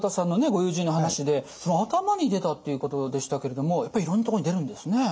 ご友人の話で頭に出たっていうことでしたけれどもやっぱりいろんなところに出るんですね。